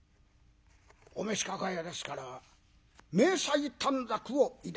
お召し抱えですから明細短冊をいだします。